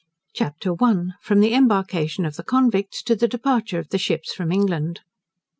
CHAPTER I From the Embarkation of the Convicts, to the Departure of the Ships from England.